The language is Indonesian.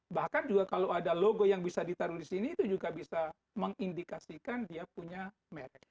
bahkan juga kalau ada logo yang bisa ditaruh di sini itu juga bisa mengindikasikan dia punya merek